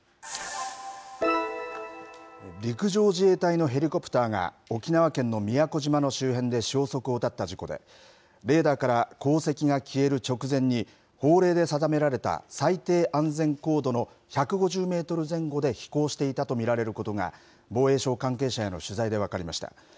陸上自衛隊のヘリコプターが、沖縄県の宮古島の周辺で消息を絶った事故で、レーダーから航跡が消える直前に、法令で定められた最低安全高度の１５０メートル前後で飛行していたと見られることが、防衛省関係者への取材で分かりました。